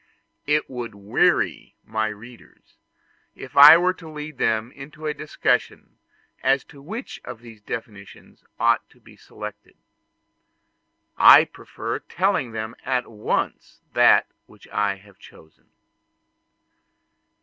It would weary my readers if I were to lead them into a discussion as to which of these definitions ought to be selected: I prefer telling them at once that which I have chosen.